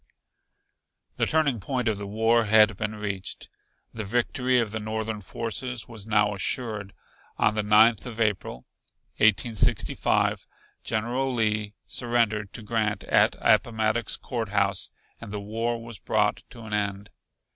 The turning point of the war had been reached; the victory of the Northern forces was now assured. On the Ninth of April, 1865, General Lee surrendered to Grant at Appomattox Court House and the war was brought to an end.